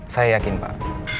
saya yakin pak